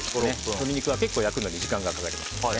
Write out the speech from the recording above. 鶏肉は結構焼くのに時間がかかります。